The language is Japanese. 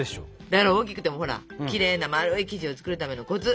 だから大きくてもほらきれいな丸い生地を作るためのコツ！